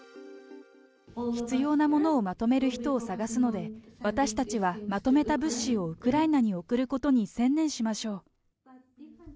必要なものをまとめる人を探すので、私たちはまとめた物資をウクライナに送ることに専念しましょう。